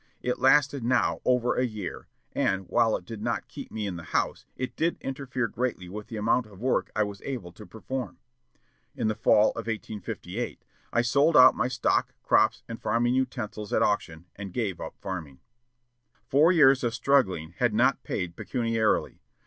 It lasted now over a year, and, while it did not keep me in the house, it did interfere greatly with the amount of work I was able to perform. In the fall of 1858 I sold out my stock, crops, and farming utensils at auction, and gave up farming." Four years of struggling had not paid pecuniarily.